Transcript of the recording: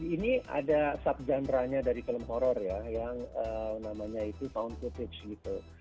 ini ada subgenre nya dari film horror ya yang namanya itu found footage gitu